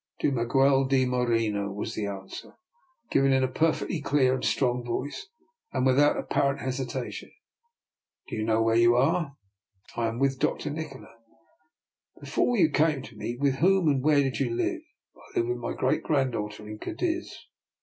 To Miguel de Moreno," was the answer, given in a perfectly clear and strong voice, and without apparent hesitation. " Do you know where you are? " DR. NIKOLA'S EXPERIMENT. 27 1 " I am with Dr. Nikola." " Before you came to me, with whom and where did you live? "" I lived with my great granddaughter in Cadiz."